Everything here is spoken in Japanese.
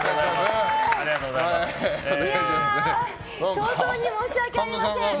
早々に申し訳ありません。